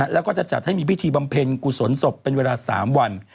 แล้วก็จะจัดให้มีพิธีบำเพ็ญกุศลศพเป็นเวลา๓วัน